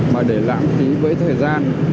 mà để lãng phí với thời gian